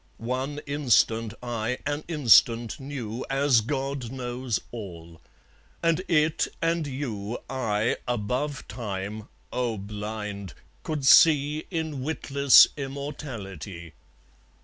One instant I, an instant, knew As God knows all. And it and you I, above Time, oh, blind! could see In witless immortality.